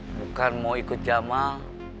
bukan mau ikut jamal